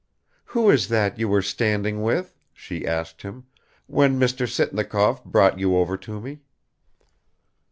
. "Who is that you were standing with," she asked him, "when Mr. Sitnikov brought you over to me?"